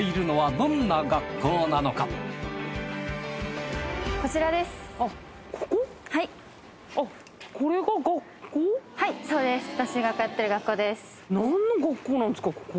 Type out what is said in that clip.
何の学校なんですかここ？